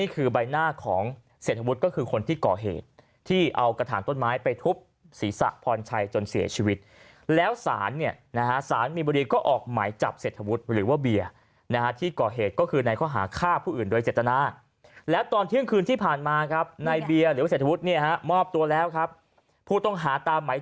คือใบหน้าของเศรษฐวุฒิก็คือคนที่ก่อเหตุที่เอากระถางต้นไม้ไปทุบศีรษะพรชัยจนเสียชีวิตแล้วสารเนี่ยนะฮะสารมีบุรีก็ออกหมายจับเศรษฐวุฒิหรือว่าเบียร์นะฮะที่ก่อเหตุก็คือในข้อหาฆ่าผู้อื่นโดยเจตนาแล้วตอนเที่ยงคืนที่ผ่านมาครับในเบียร์หรือว่าเศรษฐวุฒิเนี่ยฮะมอบตัวแล้วครับผู้ต้องหาตามหมาย